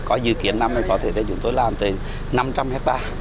có dự kiến năm thì có thể chúng tôi làm tới năm trăm linh hectare